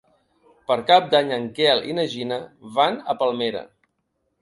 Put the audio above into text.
Per Cap d'Any en Quel i na Gina van a Palmera.